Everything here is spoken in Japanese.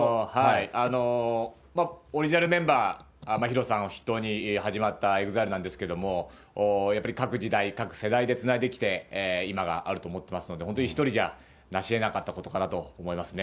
オリジナルメンバー、ＨＩＲＯさんを筆頭に始まったＥＸＩＬＥなんですけれども、やっぱり各時代、各世代でつないできて、今があると思ってますので、本当に１人じゃなしえなかったことかなと思いますね。